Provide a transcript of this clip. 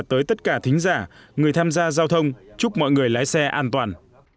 tới tất cả thính giả người tham gia giao thông chúc mọi người lái xe an toàn